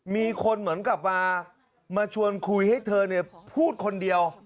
มีคนเหมือนกลับมามาชวนคุยให้เธอพูดคนเดียว